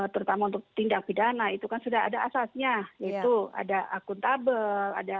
terutama untuk tindak pidana itu kan sudah ada asasnya yaitu ada akuntabel